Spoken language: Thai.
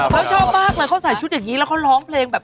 เขาชอบมากเลยเขาใส่ชุดอย่างนี้แล้วเขาร้องเพลงแบบ